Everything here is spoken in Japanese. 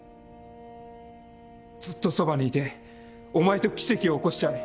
ずっとそばにいてお前と奇跡を起こしたい。